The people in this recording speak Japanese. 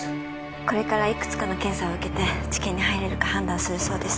これからいくつかの検査を受けて治験に入れるか判断するそうです